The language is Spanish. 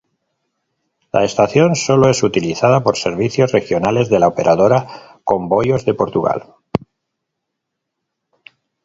La estación solo es utilizada por servicios Regionales de la operadora Comboios de Portugal.